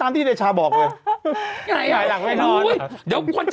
มีอภัยตามไม่เป็น๑การ